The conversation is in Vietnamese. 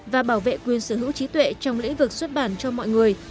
và bảo vệ quyền sở hữu trí tuệ trong lĩnh vực xuất bản cho mọi người